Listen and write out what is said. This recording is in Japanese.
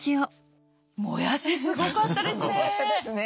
もやしすごかったですね。